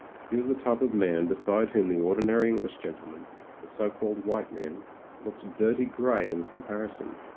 He was the type of man beside whom the ordinary English gentleman — the so called white man — looked dirty grey in compari son.